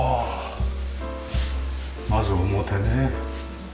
まず表ね。